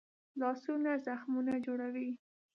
لاسونه زخمونه جوړوي